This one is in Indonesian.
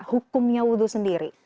hukumnya wudhu sendiri